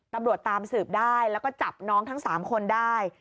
ตำรวจตามสืบได้แล้วก็จับน้องทั้ง๓คนได้